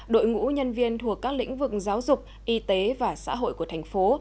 đội ngũ nhân viên thuộc các lĩnh vực giáo dục y tế và xã hội của thành phố